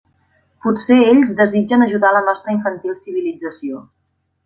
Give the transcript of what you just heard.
Potser ells desitgen ajudar la nostra infantil civilització.